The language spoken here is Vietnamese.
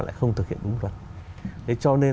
lại không thực hiện đúng luật đấy cho nên